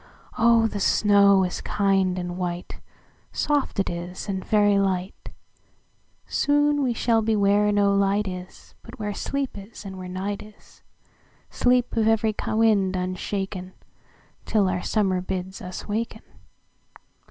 Oh, the snow is kind and white,—Soft it is, and very light; Soon we shall be where no light is, But where sleep is, and where night is,—Sleep of every wind unshaken, Till our Summer bids us waken."